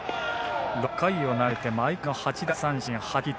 ６回を投げて毎回の８奪三振、８０球。